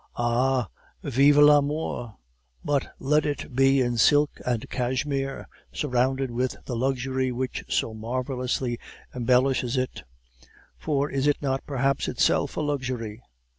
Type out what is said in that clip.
"Ah, vive l'amour! But let it be in silk and cashmere, surrounded with the luxury which so marvelously embellishes it; for is it not perhaps itself a luxury?